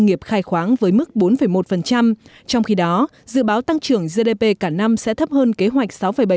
nghiệp khai khoáng với mức bốn một trong khi đó dự báo tăng trưởng gdp cả năm sẽ thấp hơn kế hoạch sáu bảy